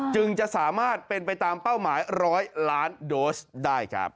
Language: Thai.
จึงจะสามารถเป็นไปตามเป้าหมาย๑๐๐ล้านโดสได้ครับ